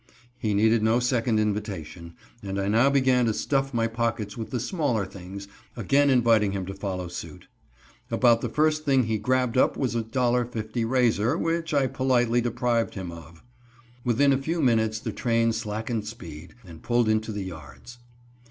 He needed no second invitation, and I now began to stuff my pockets with the smaller things, again inviting him to follow suit. About the first thing he grabbed up was a $1.50 razor, which I politely deprived him of. Within a few minutes the train slackened speed and pulled into the yards.